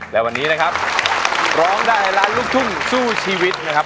และวันนี้นะครับร้องได้ให้ล้านลูกทุ่งสู้ชีวิตนะครับ